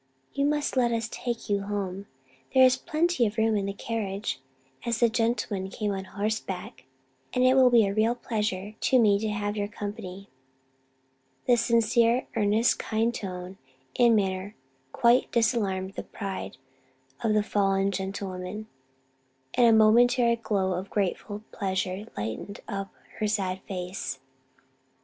You must let us take you home. There is plenty of room in the carriage, as the gentlemen came on horseback; and it will be a real pleasure to me to have your company." The sincere, earnest, kindly tone and manner quite disarmed the pride of the fallen gentlewoman, and a momentary glow of grateful pleasure lighted up her sad face.